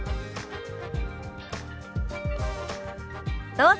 どうぞ。